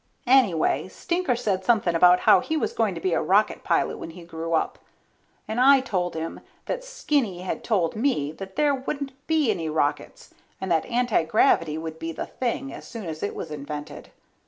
Anyway, Stinker said something about how he was going to be a rocket pilot when he grew up, and I told him that Skinny had told me that there wouldn't be any rockets, and that antigravity would be the thing as soon as it was invented.